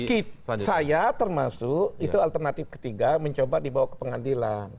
saya termasuk itu alternatif ketiga mencoba dibawa ke pengadilan